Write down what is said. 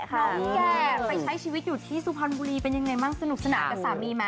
แก่ไปใช้ชีวิตอยู่ที่สุพรรณบุรีเป็นยังไงบ้างสนุกสนานกับสามีไหม